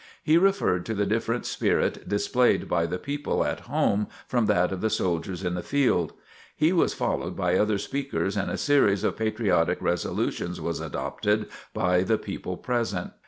He referred to the different spirit displayed by the people at home from that of the soldiers in the field. He was followed by other speakers and a series of patriotic resolutions was adopted by the people present.